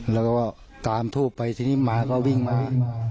แล้วก็ตามทูบไปทีนี้หมาก็วิ่งมา